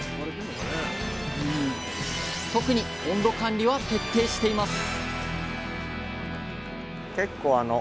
特に温度管理は徹底しています